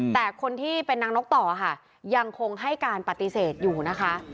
แต่คนที่เป็นนางนกต่อค่ะยังคงให้การปฏิเสธอยู่นะคะ